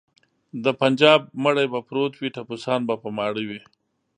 د بنجاب مړی به پروت وي ټپوسان به په ماړه وي.